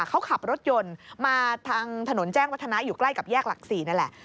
เขาขับรถยนต์มาทางถนนแจ้งวัฒนะอยู่ใกล้กับแยกหลัก๔นั่นแหละ